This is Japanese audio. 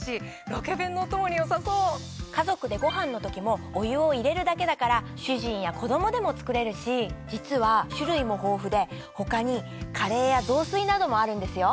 家族でご飯の時もお湯を入れるだけだから主人や子供でも作れるし実は種類も豊富で他にカレーや雑炊などもあるんですよ。